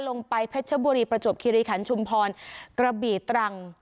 ไปเพชรชบุรีประจวบคิริขันชุมพรกระบี่ตรัง